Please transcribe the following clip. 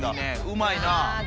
うまいな。